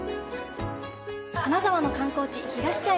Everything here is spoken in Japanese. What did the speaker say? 金沢の観光地ひがし茶屋